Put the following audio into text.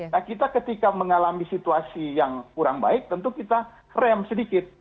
nah kita ketika mengalami situasi yang kurang baik tentu kita rem sedikit